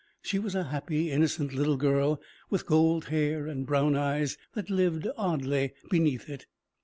She was a happy, innocent little girl, with gold hair, and brown eyes that lived oddly beneath it.